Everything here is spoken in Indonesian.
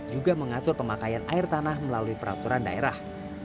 juga mengatur pemakaian air tanah melalui peraturan daerah